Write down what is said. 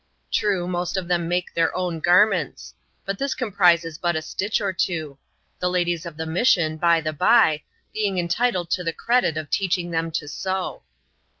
True, most of them make their own garments ; but this comprises but a stitch or two ; the ladies of the mission, by the bj, being en titled to the credit of teaching them to sew.